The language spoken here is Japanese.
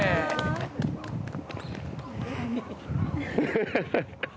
ハハハハッ。